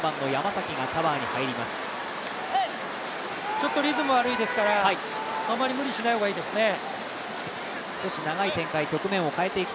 ちょっとリズム悪いですから、あまり無理しない方がいいですね。